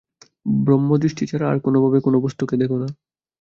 ব্রহ্মদৃষ্টি ছাড়া আর কোনভাবে কোন বস্তুকে দেখো না।